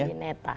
raha dewi neta